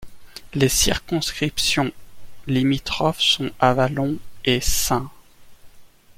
Les circonscriptions limitrophes sont Avalon et St.